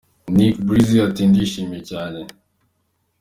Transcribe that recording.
Nick Breezy ati “ Ndishimye cyane.